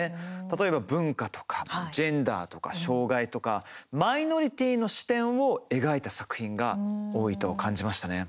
例えば文化とかジェンダーとか障害とかマイノリティーの視点を描いた作品が多いと感じましたね。